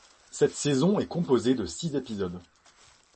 Cette saison est composée de six épisodes.